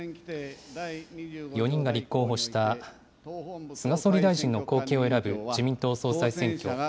４人が立候補した、菅総理大臣の後継を選ぶ自民党総裁選挙。